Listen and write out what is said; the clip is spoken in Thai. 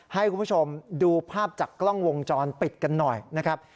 ให้คุณผู้ชมดูภาพจากกล้องวงจรปิดกันหน่อยนะครับ